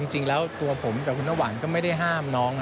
จริงแล้วตัวผมกับคุณน้ำหวานก็ไม่ได้ห้ามน้อง